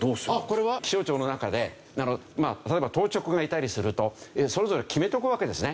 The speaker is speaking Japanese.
これは気象庁の中で例えば当直がいたりするとそれぞれ決めておくわけですね。